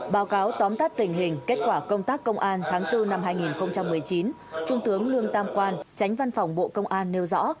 báo cáo tóm tắt tình hình kết quả công tác công an tháng bốn năm hai nghìn một mươi chín trung tướng lương tam quang tránh văn phòng bộ công an nêu rõ